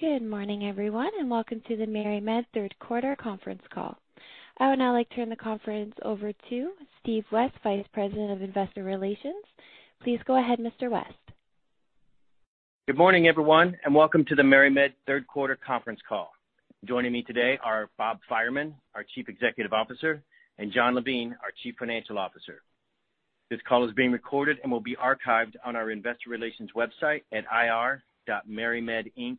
Good morning, everyone, and welcome to the MariMed Q3 Conference Call. I would now like to turn the conference over to Steve West, Vice President of Investor Relations. Please go ahead, Mr. West. Good morning, everyone, and welcome to the MariMed Q3 Conference Call. Joining me today are Bob Fireman, our Chief Executive Officer, and Jon Levine, our Chief Financial Officer. This call is being recorded and will be archived on our investor relations website at ir.marimedinc.com.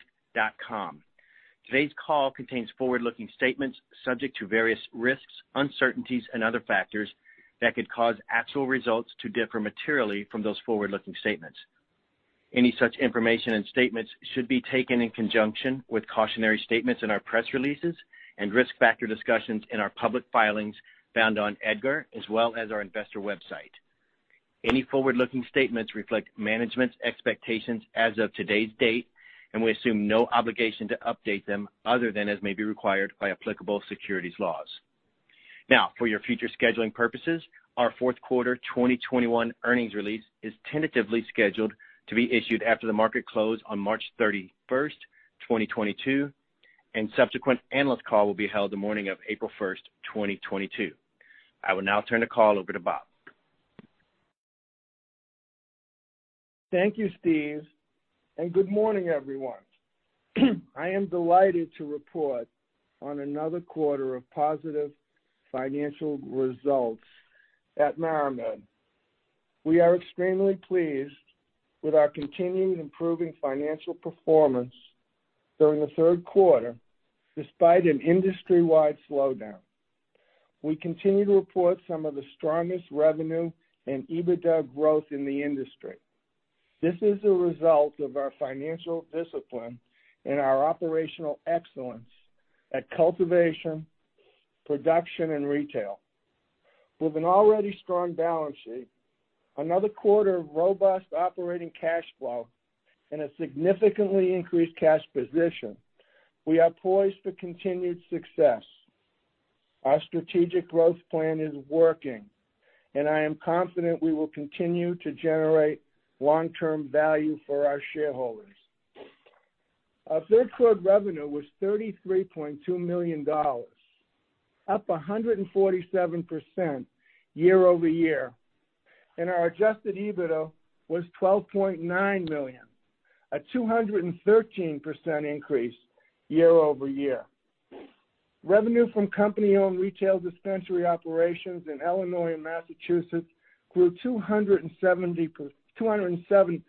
Today's call contains forward-looking statements subject to various risks, uncertainties, and other factors that could cause actual results to differ materially from those forward-looking statements. Any such information and statements should be taken in conjunction with cautionary statements in our press releases and risk factor discussions in our public filings found on EDGAR, as well as our investor website. Any forward-looking statements reflect management's expectations as of today's date, and we assume no obligation to update them other than as may be required by applicable securities laws. Now, for your future scheduling purposes, our Q4 2021 Earnings release is tentatively scheduled to be issued after the market close on March 31, 2022, and subsequent analyst call will be held the morning of April 1, 2022. I will now turn the call over to Bob. Thank you, Steve, and good morning, everyone. I am delighted to report on another quarter of positive financial results at MariMed. We are extremely pleased with our continuing improving financial performance during Q3, despite an industry-wide slowdown. We continue to report some of the strongest revenue and EBITDA growth in the industry. This is a result of our financial discipline and our operational excellence at cultivation, production, and retail. With an already strong balance sheet, another quarter of robust operating cash flow, and a significantly increased cash position, we are poised for continued success. Our strategic growth plan is working, and I am confident we will continue to generate long-term value for our shareholders. Our third quarter revenue was $33.2 million, up 147% year-over-year, and our adjusted EBITDA was $12.9 million, a 213% increase year-over-year. Revenue from company-owned retail dispensary operations in Illinois and Massachusetts grew 207%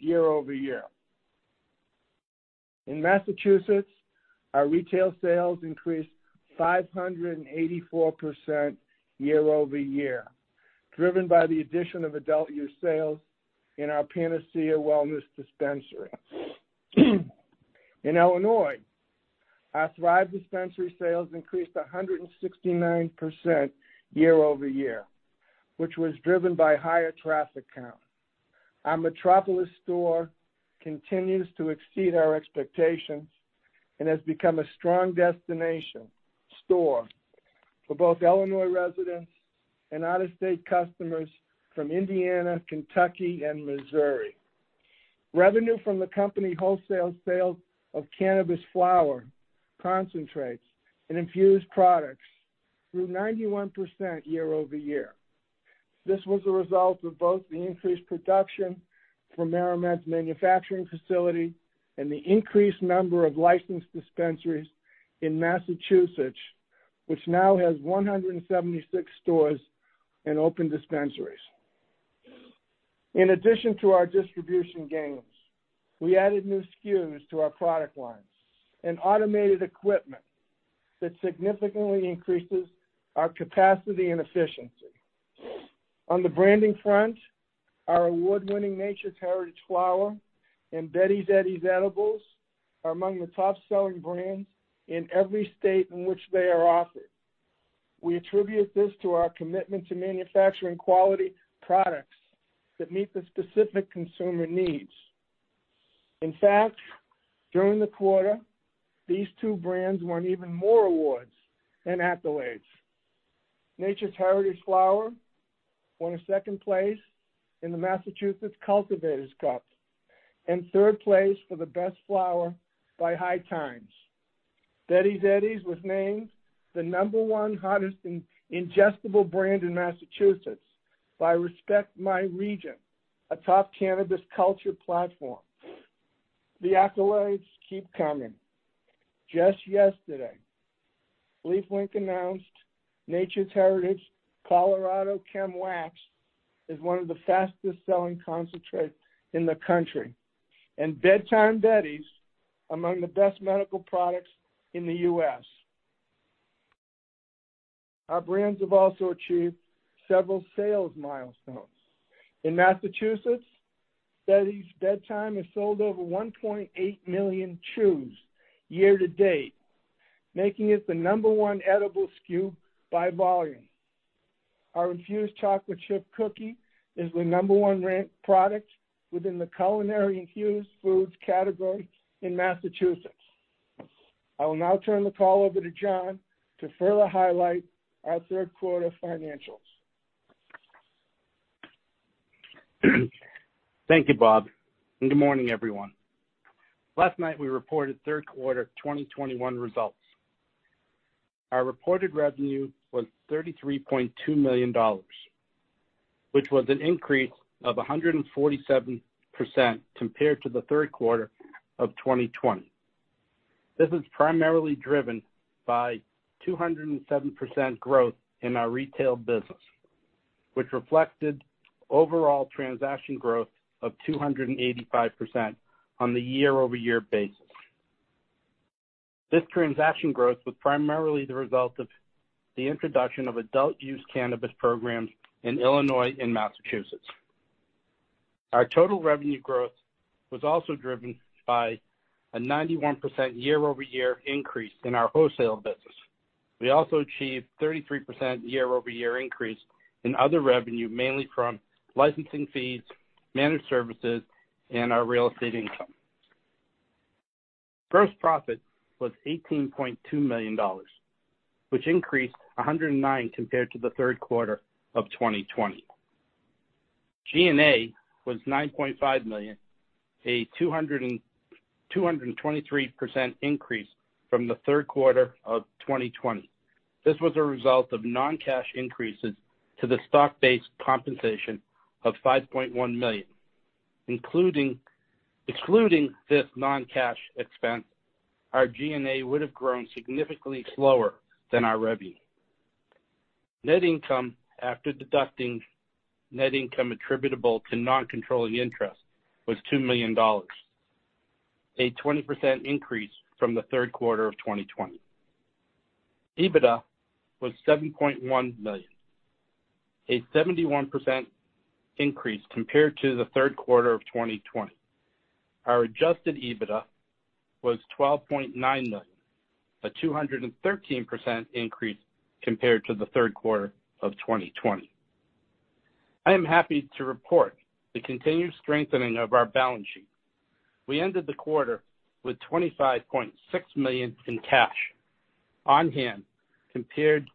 year-over-year. In Massachusetts, our retail sales increased 584% year-over-year, driven by the addition of adult-use sales in our Panacea Wellness Dispensary. In Illinois, our Thrive Dispensary sales increased 169% year-over-year, which was driven by higher traffic count. Our Metropolis store continues to exceed our expectations and has become a strong destination store for both Illinois residents and out-of-state customers from Indiana, Kentucky, and Missouri. Revenue from the company wholesale sales of cannabis flower concentrates and infused products grew 91% year-over-year. This was a result of both the increased production from MariMed's manufacturing facility and the increased number of licensed dispensaries in Massachusetts, which now has 176 stores and open dispensaries. In addition to our distribution gains, we added new SKUs to our product lines and automated equipment that significantly increases our capacity and efficiency. On the branding front, our award-winning Nature's Heritage flower and Betty's Eddies edibles are among the top-selling brands in every state in which they are offered. We attribute this to our commitment to manufacturing quality products that meet the specific consumer needs. In fact, during the quarter, these two brands won even more awards and accolades. Nature's Heritage Flower won second place in the Massachusetts Cultivators Cup and third place for the best flower by High Times. Betty's Eddies was named the number one hottest ingestible brand in Massachusetts by Respect My Region, a top cannabis culture platform. The accolades keep coming. Just yesterday, LeafLink announced Nature's Heritage Colorado Chem Wax is one of the fastest-selling concentrates in the country, and Bedtime Betty's among the best medical products in the U.S. Our brands have also achieved several sales milestones. In Massachusetts, Bedtime Betty's has sold over 1.8 million chews year-to-date, making it the number one edible SKU by volume. Our infused chocolate chip cookie is the number one ranked product within the culinary infused foods category in Massachusetts. I will now turn the call over to John to further highlight our Q3 financials. Thank you, Bob, and good morning, everyone. Last night, we reported Q3 2021 results. Our reported revenue was $33.2 million, which was an increase of 147% compared to Q3 of 2020. This is primarily driven by 207% growth in our retail business, which reflected overall transaction growth of 285% on the year-over-year basis. This transaction growth was primarily the result of the introduction of adult use cannabis programs in Illinois and Massachusetts. Our total revenue growth was also driven by a 91% year-over-year increase in our wholesale business. We also achieved 33% year-over-year increase in other revenue, mainly from licensing fees, managed services, and our real estate income. Gross profit was $18.2 million, which increased 109% compared to Q3 of 2020. G&A was $9.5 million, a 223% increase from Q3 of 2020. This was a result of non-cash increases to the stock-based compensation of $5.1 million. Excluding this non-cash expense, our G&A would have grown significantly slower than our revenue. Net income, after deducting net income attributable to non-controlling interest, was $2 million, a 20% increase from Q3 of 2020. EBITDA was $7.1 million, a 71% increase compared to Q3 of 2020. Our adjusted EBITDA was $12.9 million, a 213% increase compared to Q3 of 2020. I am happy to report the continued strengthening of our balance sheet. We ended the quarter with $25.6 million in cash on hand compared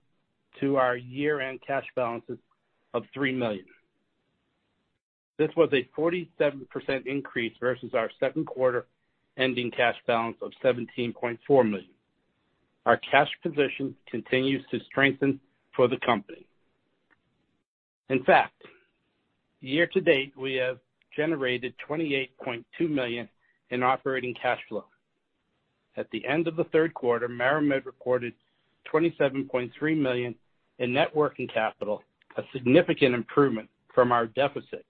to our year-end cash balances of $3 million. This was a 47% increase versus our Q2 ending cash balance of $17.4 million. Our cash position continues to strengthen for the company. In fact, year-to-date, we have generated $28.2 million in operating cash flow. At the end of Q3, MariMed reported $27.3 million in net working capital, a significant improvement from our deficit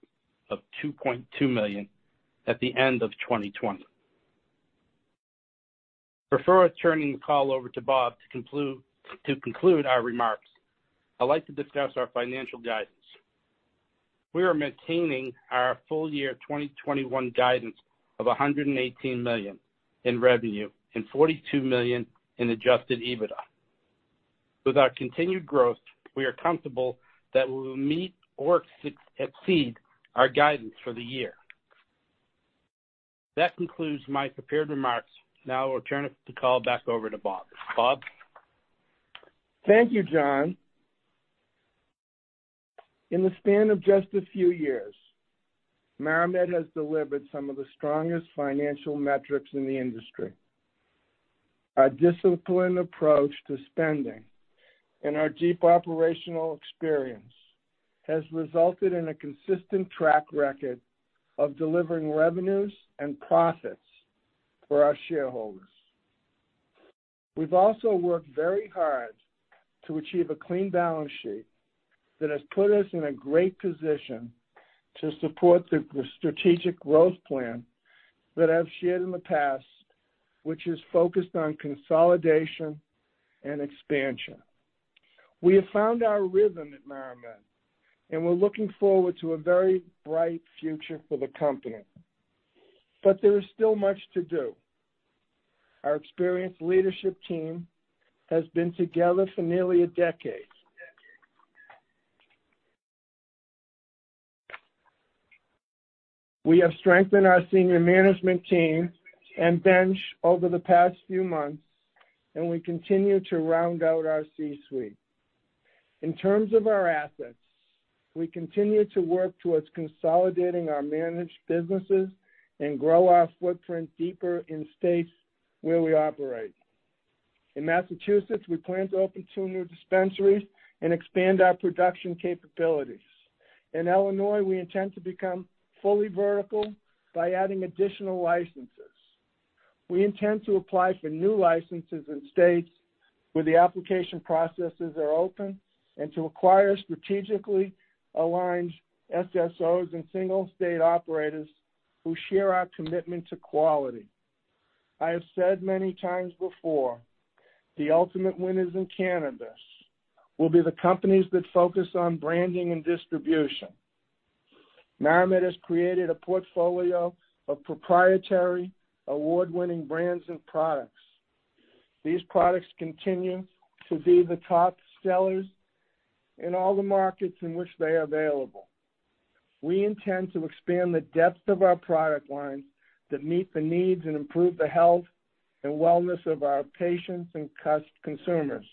of $2.2 million at the end of 2020. Before turning the call over to Bob to conclude our remarks, I'd like to discuss our financial guidance. We are maintaining our full-year 2021 guidance of $118 million in revenue and $42 million in adjusted EBITDA. With our continued growth, we are comfortable that we will meet or exceed our guidance for the year. That concludes my prepared remarks. Now I'll turn the call back over to Bob. Bob? Thank you, Jon. In the span of just a few years, MariMed has delivered some of the strongest financial metrics in the industry. Our disciplined approach to spending and our deep operational experience has resulted in a consistent track record of delivering revenues and profits for our shareholders. We've also worked very hard to achieve a clean balance sheet that has put us in a great position to support the strategic growth plan that I've shared in the past, which is focused on consolidation and expansion. We have found our rhythm at MariMed, and we're looking forward to a very bright future for the company. There is still much to do. Our experienced leadership team has been together for nearly a decade. We have strengthened our senior management team and bench over the past few months, and we continue to round out our C-suite. In terms of our assets, we continue to work towards consolidating our managed businesses and grow our footprint deeper in states where we operate. In Massachusetts, we plan to open two new dispensaries and expand our production capabilities. In Illinois, we intend to become fully vertical by adding additional licenses. We intend to apply for new licenses in states where the application processes are open and to acquire strategically aligned SSOs and single state operators who share our commitment to quality. I have said many times before, the ultimate winners in cannabis will be the companies that focus on branding and distribution. MariMed has created a portfolio of proprietary award-winning brands and products. These products continue to be the top sellers in all the markets in which they are available. We intend to expand the depth of our product line that meet the needs and improve the health and wellness of our patients and consumers.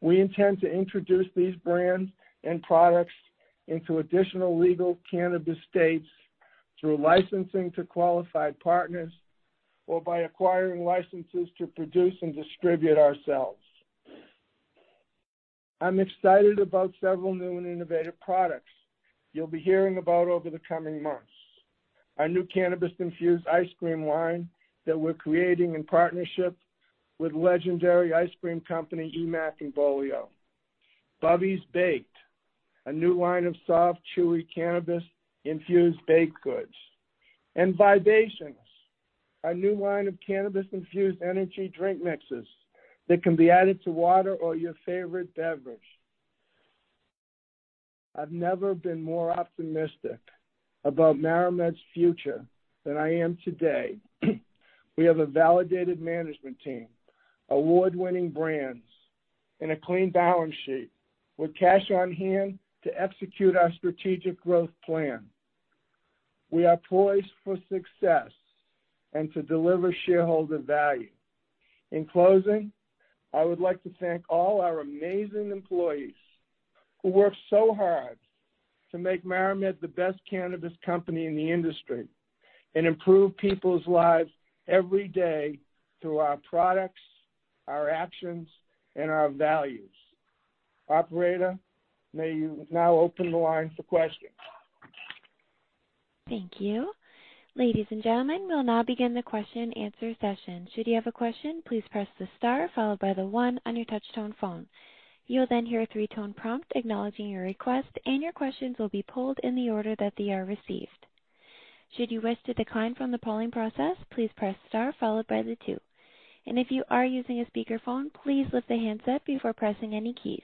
We intend to introduce these brands and products into additional legal cannabis states through licensing to qualified partners or by acquiring licenses to produce and distribute ourselves. I'm excited about several new and innovative products you'll be hearing about over the coming months. Our new cannabis-infused ice cream line that we're creating in partnership with legendary ice cream company Emack & Bolio's. Bubby's Baked, a new line of soft, chewy cannabis-infused baked goods. Vibations, our new line of cannabis-infused energy drink mixes that can be added to water or your favorite beverage. I've never been more optimistic about MariMed's future than I am today. We have a validated management team, award-winning brands, and a clean balance sheet with cash on hand to execute our strategic growth plan. We are poised for success and to deliver shareholder value. In closing, I would like to thank all our amazing employees who work so hard to make MariMed the best cannabis company in the industry and improve people's lives every day through our products, our actions, and our values. Operator, may you now open the line for questions. Thank you. Ladies and gentlemen, we'll now begin the question-answer session. Should you have a question, please press the star followed by the one on your touch tone phone. You will then hear a three-tone prompt acknowledging your request, and your questions will be pulled in the order that they are received. Should you wish to decline from the polling process, please press star followed by the two. If you are using a speaker phone, please lift the handset before pressing any keys.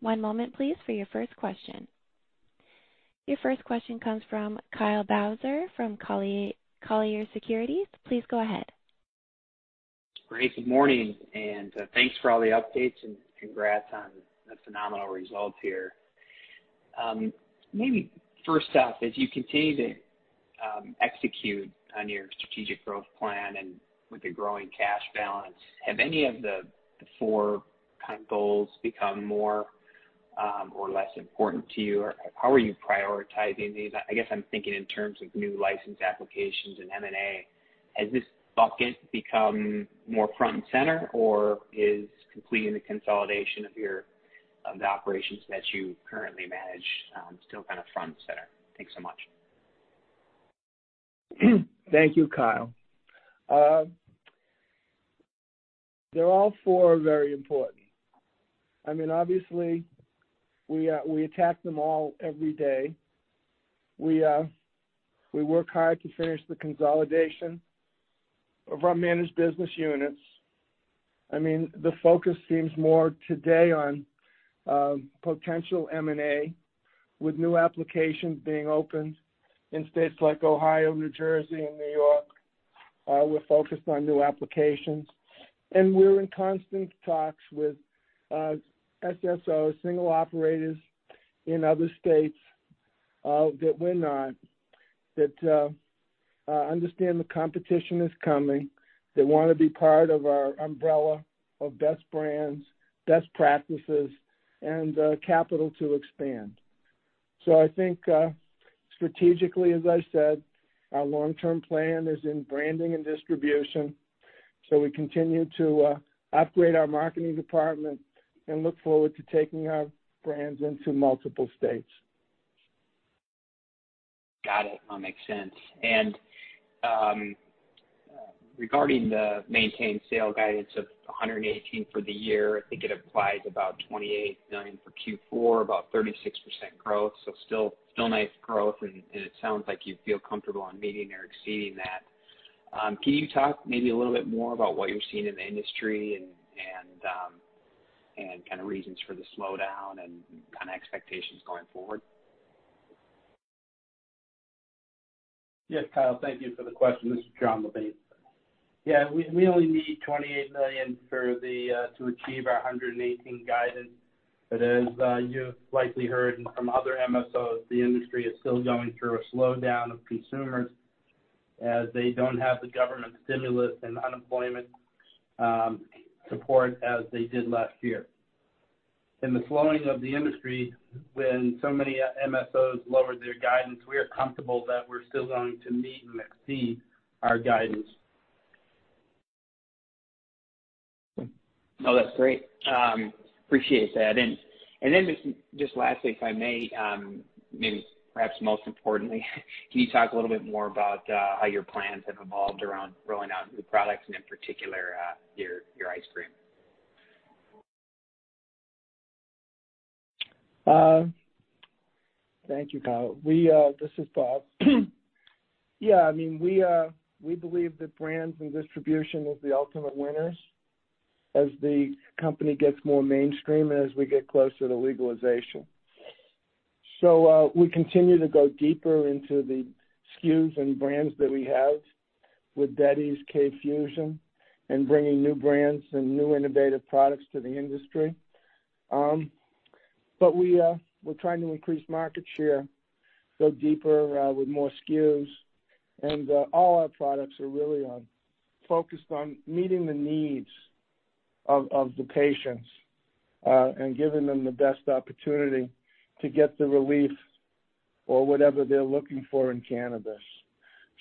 One moment, please, for your first question. Your first question comes from Kyle Bauser from Colliers Securities. Please go ahead. Great. Good morning, and thanks for all the updates and congrats on the phenomenal results here. Maybe first off, as you continue to execute on your strategic growth plan and with the growing cash balance, have any of the four kind of goals become more or less important to you? How are you prioritizing these? I guess I'm thinking in terms of new license applications and M&A. Has this bucket become more front and center, or is completing the consolidation of the operations that you currently manage still kind of front and center? Thanks so much. Thank you, Kyle. They're all four very important. I mean, obviously, we attack them all every day. We work hard to finish the consolidation of our managed business units. I mean, the focus seems more today on potential M&A with new applications being opened in states like Ohio, New Jersey, and New York. We're focused on new applications, and we're in constant talks with SSOs, single-state operators in other states that we're not in that understand the competition is coming. They wanna be part of our umbrella of best brands, best practices, and capital to expand. I think, strategically, as I said, our long-term plan is in branding and distribution. We continue to upgrade our marketing department and look forward to taking our brands into multiple states. Got it. All makes sense. Regarding the maintained sales guidance of $118 million for the year, I think it implies about $28 million for Q4, about 36% growth. Still nice growth, and it sounds like you feel comfortable on meeting or exceeding that. Can you talk maybe a little bit more about what you're seeing in the industry and kind of reasons for the slowdown and kind of expectations going forward? Yes, Kyle, thank you for the question. This is Jon Levine. Yeah, we only need $28 million to achieve our $118 million guidance. As you've likely heard from other MSOs, the industry is still going through a slowdown of consumers as they don't have the government stimulus and unemployment support as they did last year. In the slowing of the industry, when so many MSOs lowered their guidance, we are comfortable that we're still going to meet and exceed our guidance. Oh, that's great. Appreciate that. Then just lastly, if I may, maybe perhaps most importantly, can you talk a little bit more about how your plans have evolved around rolling out new products and in particular, your ice cream? Thank you, Kyle. This is Bob. Yeah, I mean, we believe that brands and distribution is the ultimate winners as the company gets more mainstream and as we get closer to legalization. We continue to go deeper into the SKUs and brands that we have with Betty's, Kalm Fusion, and bringing new brands and new innovative products to the industry. We're trying to increase market share, go deeper with more SKUs. All our products are really focused on meeting the needs of the patients and giving them the best opportunity to get the relief or whatever they're looking for in cannabis.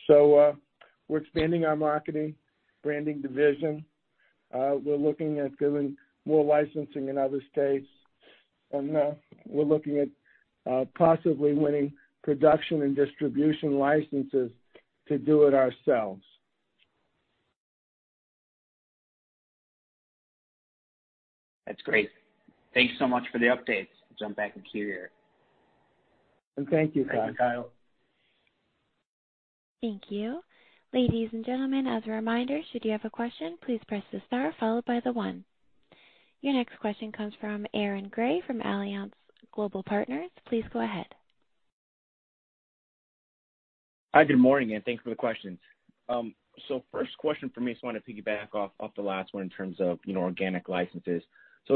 We're expanding our marketing, branding division. We're looking at doing more licensing in other states, and we're looking at possibly winning production and distribution licenses to do it ourselves. That's great. Thank you so much for the updates. I'll jump back in queue here. Well, thank you, Kyle. Thank you. Thank you. Ladies and gentlemen, as a reminder, should you have a question, please press the star followed by the one. Your next question comes from Aaron Grey from Alliance Global Partners. Please go ahead. Hi, good morning, and thanks for the questions. First question for me, just want to piggyback off the last one in terms of, you know, organic licenses.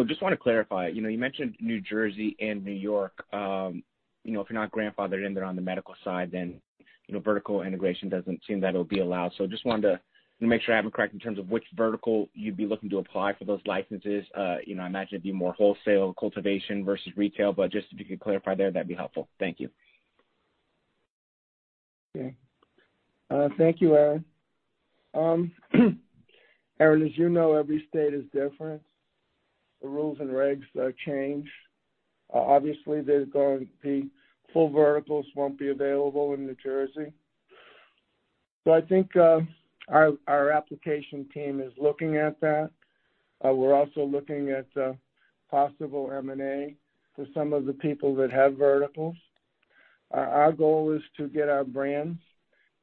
Just want to clarify, you know, you mentioned New Jersey and New York. You know, if you're not grandfathered in there on the medical side, then, you know, vertical integration doesn't seem that it'll be allowed. Just wanted to make sure I have it correct in terms of which vertical you'd be looking to apply for those licenses. You know, I imagine it'd be more wholesale cultivation versus retail, but just if you could clarify there, that'd be helpful. Thank you. Okay. Thank you, Aaron. Aaron, as you know, every state is different. The rules and regs change. Obviously there's going to be full verticals won't be available in New Jersey. I think our application team is looking at that. We're also looking at possible M&A for some of the people that have verticals. Our goal is to get our brands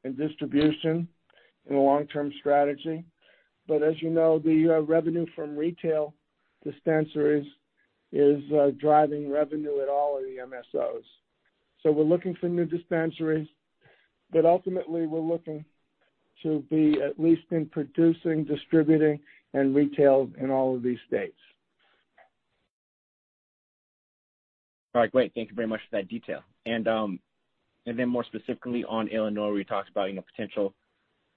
and distribution in the long-term strategy. As you know, the revenue from retail dispensaries is driving revenue at all of the MSOs. We're looking for new dispensaries, but ultimately we're looking to be at least in producing, distributing, and retail in all of these states. All right. Great. Thank you very much for that detail. Then more specifically on Illinois, where you talked about, you know, potential,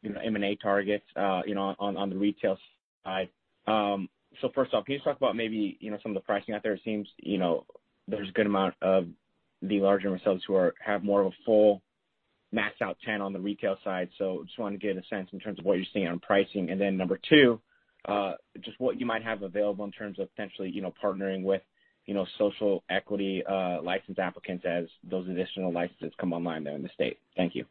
you know, M&A targets, you know, on the retail side. First off, can you just talk about maybe, you know, some of the pricing out there? It seems, you know, there's a good amount of the larger MSOs who have more of a full max out ten on the retail side. Just wanted to get a sense in terms of what you're seeing on pricing. Number two, just what you might have available in terms of potentially, you know, partnering with, you know, social equity license applicants as those additional licenses come online there in the state. Thank you.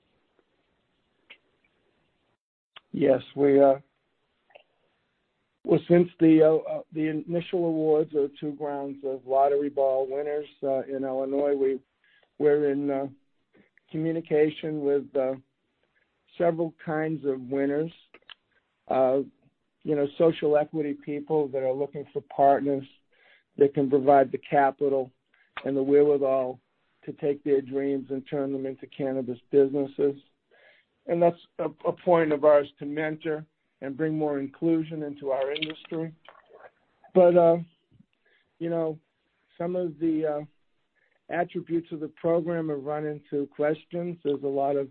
Yes, well, since the initial awards or two rounds of lottery ball winners in Illinois, we're in communication with several kinds of winners. You know, social equity people that are looking for partners that can provide the capital and the wherewithal to take their dreams and turn them into cannabis businesses. That's a point of ours to mentor and bring more inclusion into our industry. But you know, some of the attributes of the program have run into questions. There's a lot of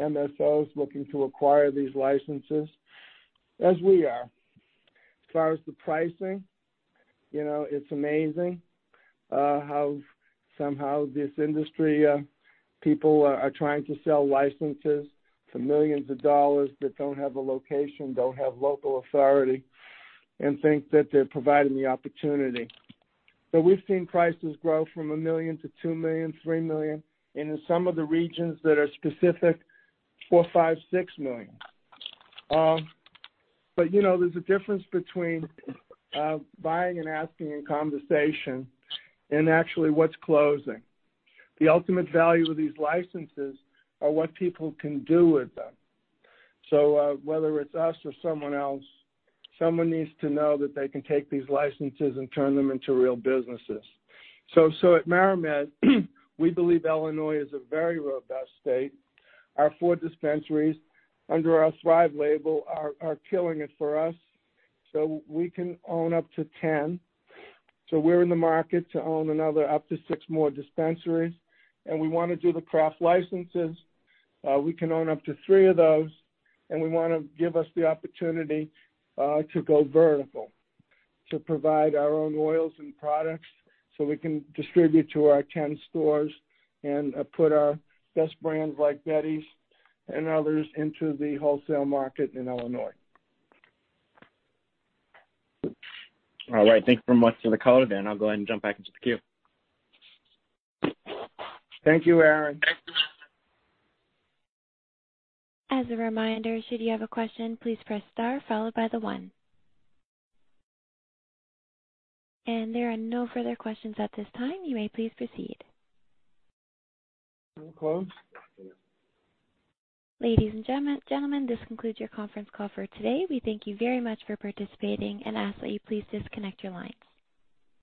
MSOs looking to acquire these licenses, as we are. As far as the pricing, you know, it's amazing how somehow this industry people are trying to sell licenses for millions of dollars that don't have a location, don't have local authority, and think that they're providing the opportunity. We've seen prices grow from $1 million to $2 million, $3 million, and in some of the regions that are specific, $4 million, $5 million, $6 million. You know, there's a difference between buying and asking in conversation and actually what's closing. The ultimate value of these licenses are what people can do with them. Whether it's us or someone else, someone needs to know that they can take these licenses and turn them into real businesses. At MariMed, we believe Illinois is a very robust state. Our four dispensaries under our Thrive label are killing it for us. We can own up to 10. We're in the market to own another up to six more dispensaries. We wanna do the craft licenses. We can own up to 3 of those, and we wanna give us the opportunity to go vertical, to provide our own oils and products, so we can distribute to our 10 stores and put our best brands like Betty's and others into the wholesale market in Illinois. All right. Thank you very much for the color then. I'll go ahead and jump back into the queue. Thank you, Aaron. Thanks. As a reminder, should you have a question, please press star followed by the one. There are no further questions at this time. You may please proceed. We'll close. Ladies and gentlemen, this concludes your Conference Call for today. We thank you very much for participating and ask that you please disconnect your lines.